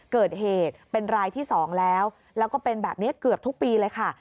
เกิดเหตุเป็นรายที่๒แล้วแล้วก็เป็นแบบนี้เกือบทุกปีเลยค่ะ